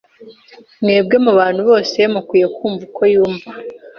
Mwebwe mubantu bose mukwiye kumva uko yumva.